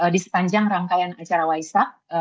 di sepanjang rangkaian acara waisak